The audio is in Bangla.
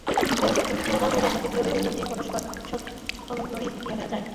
কিন্তু চিরকাল ধরিয়া প্রকৃতি ও বিভিন্ন জীব পরস্পর স্বতন্ত্রই থাকিয়া যায়।